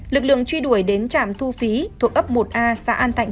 lực lượng truy đuổi đến trạm thu phí thuộc ấp một a xã an thạnh